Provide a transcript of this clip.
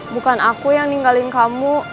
bukan aku yang ninggalin kamu